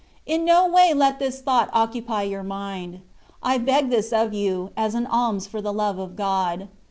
In no way let this thought occupy your mind ; I beg this of you, as an alms for the love of God.